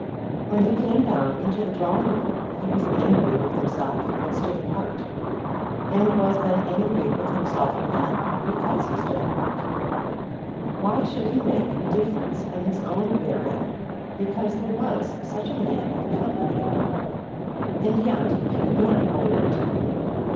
When he came down into the drawing room he was angry with himself, and stood apart; and was then angry with himself again because he stood apart. Why should he make a difference in his own bearing because there was such a man in the company? And yet he could not avoid it.